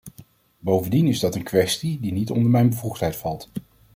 Bovendien is dat een kwestie die niet onder mijn bevoegdheid valt.